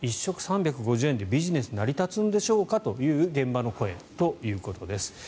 １食３５０円でビジネス成り立つんでしょうかという現場の意見です。